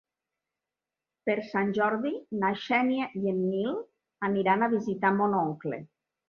Per Sant Jordi na Xènia i en Nil aniran a visitar mon oncle.